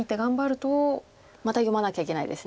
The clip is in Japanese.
また読まなきゃいけないです。